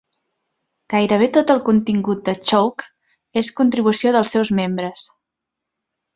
Gairebé tot el contingut de Chowk és contribució dels seus membres.